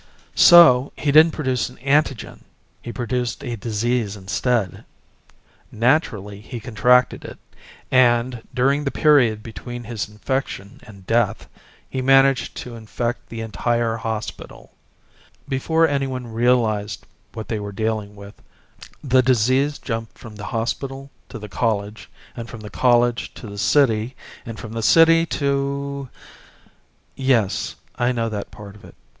So he didn't produce an antigen he produced a disease instead. Naturally, he contracted it, and during the period between his infection and death he managed to infect the entire hospital. Before anyone realized what they were dealing with, the disease jumped from the hospital to the college, and from the college to the city, and from the city to " "Yes, I know that part of it.